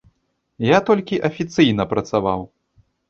Я толькі афіцыйна працаваў.